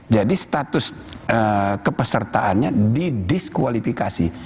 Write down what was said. jadi status kepesertaannya didiskualifikasi